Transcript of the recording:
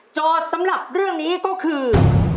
สำหรับเรื่องนี้ก็คือ